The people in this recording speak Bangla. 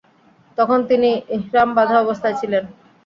তখন তিনি ইহরাম বাঁধা অবস্থায় ছিলেন।